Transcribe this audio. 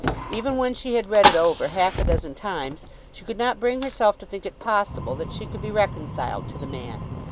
Even when she had read it over half a dozen times, she could not bring herself to think it possible that she could be reconciled to the man.